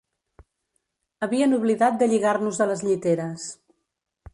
Havien oblidat de lligar-nos a les lliteres